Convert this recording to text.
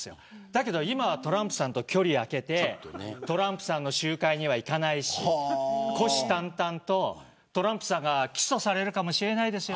だけど今はトランプさんと距離をおいてトランプさんの集会には行かないし、虎視眈々とトランプさんが起訴されるかもしれない。